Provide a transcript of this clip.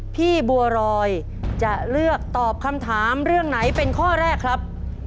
พี่บัวรอยจะเลือกตอบคำถามเรื่องไหนเป็นข้อแรกครับ